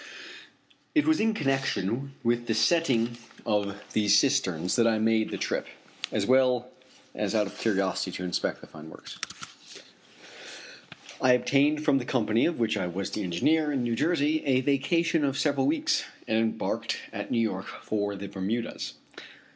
It was in connection with the setting up of these cisterns that I made the trip, as well as out of curiosity to inspect the fine works. I obtained from the company of which I was the engineer in New Jersey a vacation of several weeks, and embarked at New York for the Bermudas.